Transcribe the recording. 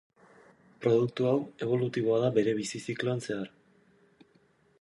Produktu hau ebolutiboa da bere bizi zikloan zehar.